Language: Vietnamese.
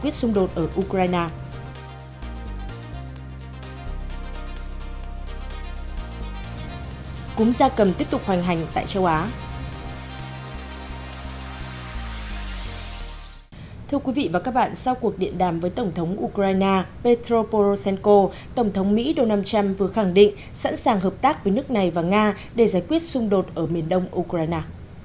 trong cuộc điện đàm với tổng thống ukraine petro poroshenko tổng thống mỹ donald trump vừa khẳng định sẵn sàng hợp tác với nước này và nga để giải quyết xung đột ở miền đông ukraine